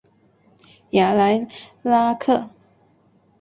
雅莱拉克。